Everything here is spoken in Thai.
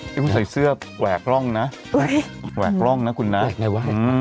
พี่ผู้ใส่เสื้อแหวกร่องนะแหวกร่องนะคุณน้ำแหวกอะไรวะอืม